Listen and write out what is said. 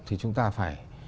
thì chúng ta phải